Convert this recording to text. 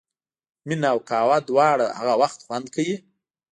مینه او قهوه دواړه هغه وخت خوند کوي.